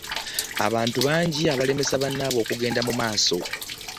Abantu bangi abalemesa bannaabwe okugenda mu maaso.